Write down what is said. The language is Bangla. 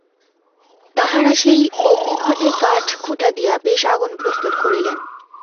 তাঁহারা সেই অগ্নিখণ্ডে কাঠকুটা দিয়া বেশ আগুন প্রস্তুত করিলেন।